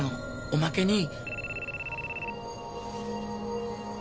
おまけに。